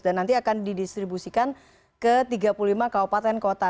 dan nanti akan didistribusikan ke tiga puluh lima kabupaten kota